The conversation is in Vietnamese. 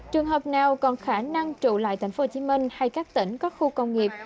trường hợp nào còn khả năng trụ lại tp hcm hay các tỉnh có khu công nghiệp